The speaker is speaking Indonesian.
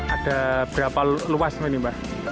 ada berapa luas ini mbak